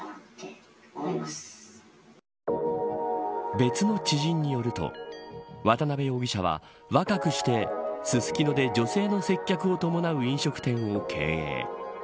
別の知人によると渡辺容疑者は若くしてススキノで女性の接客を伴う飲食店を経営。